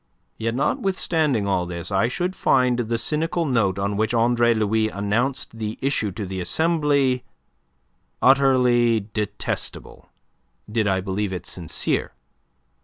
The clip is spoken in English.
Yet, notwithstanding all this, I should find the cynical note on which Andre Louis announced the issue to the Assembly utterly detestable did I believe it sincere.